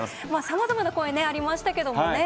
さまざまな声ねありましたけどもね。